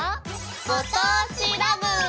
「ご当地ＬＯＶＥ」！